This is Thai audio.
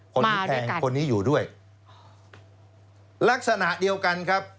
คนนี้แพงคนนี้อยู่ด้วยลักษณะเดียวกันครับ